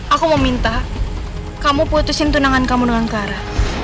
aku mau minta kamu putusin tunangan kamu dengan clara